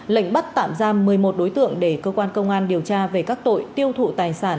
lệnh bắt tạm giam một mươi một đối tượng để cơ quan công an điều tra về các tội tiêu thụ tài sản